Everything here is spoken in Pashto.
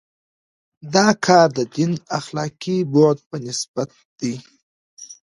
دا کار د دین اخلاقي بعد په نسبت دی.